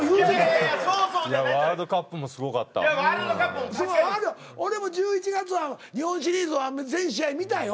いやワ―ルドカップも俺も１１月は日本シリーズは全試合見たよ。